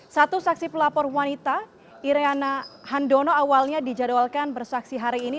satu saksi pelapor wanita irena handono awalnya dijadwalkan bersaksi hari ini